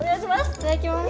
いただきます。